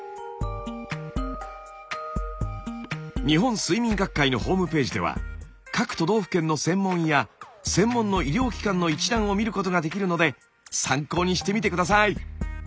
日本睡眠学会のホームページでは各都道府県の専門医や専門の医療機関の一覧を見ることができるので参考にしてみて下さい。